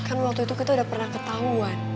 kan waktu itu kita udah pernah ketahuan